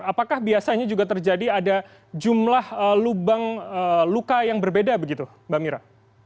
apakah biasanya juga terjadi ada jumlah lubang luka yang berbeda begitu mbak mira